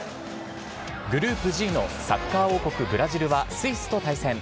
グループＧのサッカー王国、ブラジルはスイスと対戦。